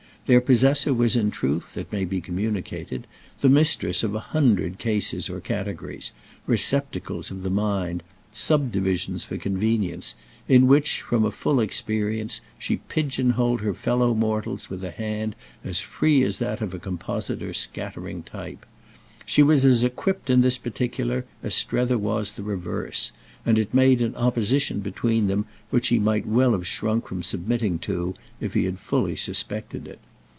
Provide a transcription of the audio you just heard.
Their possessor was in truth, it may be communicated, the mistress of a hundred cases or categories, receptacles of the mind, subdivisions for convenience, in which, from a full experience, she pigeon holed her fellow mortals with a hand as free as that of a compositor scattering type. She was as equipped in this particular as Strether was the reverse, and it made an opposition between them which he might well have shrunk from submitting to if he had fully suspected it.